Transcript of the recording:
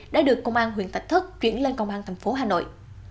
đã được công an huyện tạch thất chuyển lên công an tp hà nội